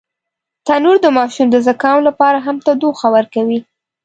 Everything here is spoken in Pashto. تنور د ماشوم د زکام لپاره هم تودوخه ورکوي